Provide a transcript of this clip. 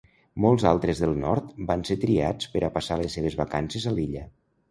Molts altres del nord van ser triats per a passar les seves vacances a l'illa.